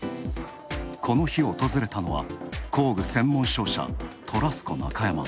この日訪れたのは、工具専門商社、トラスコ中山。